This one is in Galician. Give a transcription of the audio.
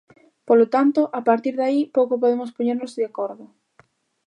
Polo tanto, a partir de aí pouco podemos poñernos de acordo.